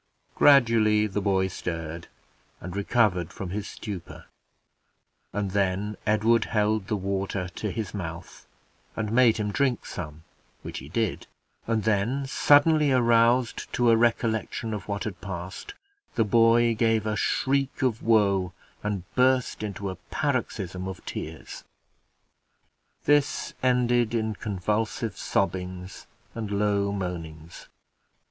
Gradually the boy stirred, and recovered from his stupor, and then Edward held the water to his mouth, and made him drink some, which he did; and then, suddenly aroused to a recollection of what had passed, the boy gave a shriek of woe, and burst into a paroxysm of tears. This ended in convulsive sobbings and low moanings.